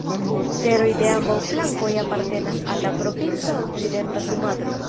Teroj de ambaŭ flankoj apartenas al la provinco Okcidenta Sumatro.